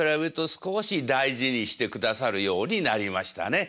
少し大事にしてくださるようになりましたね。